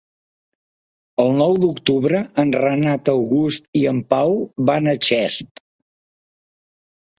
El nou d'octubre en Renat August i en Pau van a Xest.